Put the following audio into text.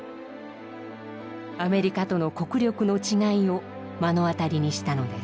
アメリカとの国力の違いを目の当たりにしたのです。